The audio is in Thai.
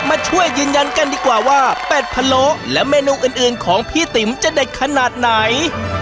มาช่วยยืนยันกันดีกว่าว่าเป็ดพะโล้และเมนูอื่นของพี่ติ๋มจะเด็ดขนาดไหน